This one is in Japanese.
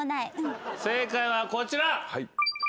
正解はこちら。